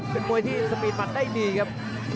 เป็นมวยที่สปีดมัดได้ดีครับ